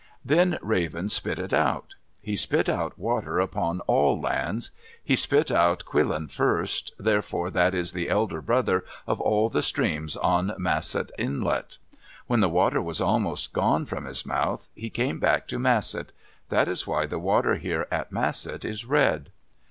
Then Raven spit it out. He spit out water upon all lands. He spit out Quilan first, therefore that is the elder brother of all the streams on Masset Inlet. When the water was almost gone from his mouth he came back to Masset. That is why the water here at Masset is red.